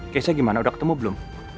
keisha gimana udah ketemu belum